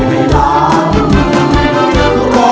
มาก